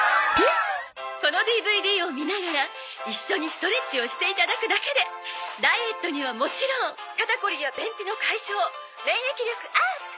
「このＤＶＤを見ながら一緒にストレッチをしていただくだけでダイエットにはもちろん肩こりや便秘の解消免疫力アップ！